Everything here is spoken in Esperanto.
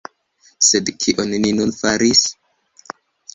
Sed kion ni nun faris?